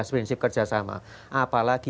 dua belas prinsip kerjasama apa lagi